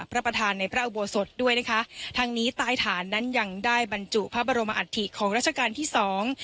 พระประธานในพระอุโบสถด้วยนะคะทางนี้ใต้ฐานนั้นยังได้บรรจุพระบรมอัฐิของราชการที่สอง